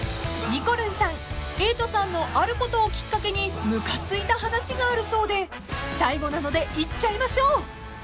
［にこるんさん瑛人さんのあることをきっかけにムカついた話があるそうで最後なので言っちゃいましょう］